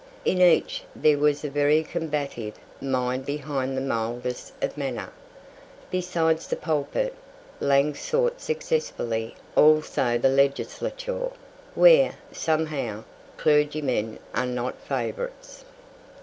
In each there was a very combative mind behind the mildest of manner. Besides the pulpit, Lang sought successfully also the Legislature, where, somehow, clergymen are not favourites.